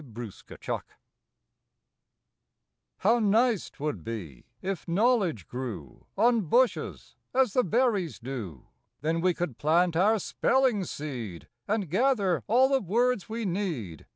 EASY KNOWLEDGE How nice 'twould be if knowledge grew On bushes, as the berries do! Then we could plant our spelling seed, And gather all the words we need.